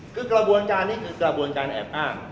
คือกระบวนการนี้คือกระบวนการแอบอ้าง